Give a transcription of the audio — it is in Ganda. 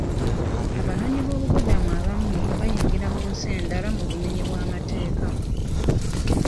Abanoonyiboobubudamu abamu bayingira mu nsi endala mu bumenyi bw'amateeka.